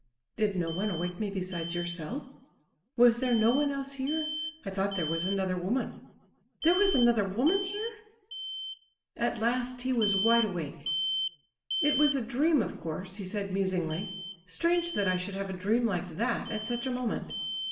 "Did no one awake me besides yourself? Was there no one else here? I thought there was another woman." "There was another woman here?" At last he was wide awake. "It was a dream, of course," he said, musingly. "Strange that I should have a dream like that at such a moment.